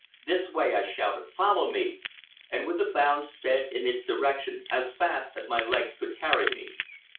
"This way," I shouted. "Follow me!" and with a bound sped in its direction as fast as my legs could carry me.